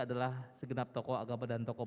adalah segenap tokoh agama dan tokoh